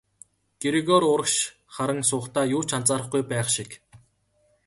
Грегори урагш харан суухдаа юу ч анзаарахгүй байх шиг.